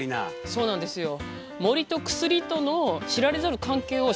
そうなんですよ。